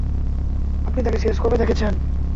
আপনি তাকে শেষ কবে দেখেছেন?